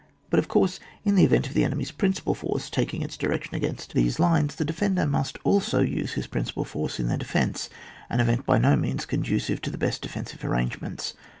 But, of course, in the event of the enemy's principal force taking its direction against 152 ON WAR, [book VI. these lines, the defender must also use his principal force in their defence, an event by no means conducive to the best defensive arrangements.